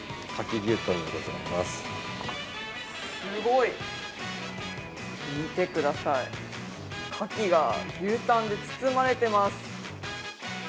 すごい、見てください、かきが牛タンで包まれています。